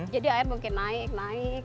jadi air mungkin naik naik